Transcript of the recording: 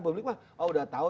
publik mah oh udah tahu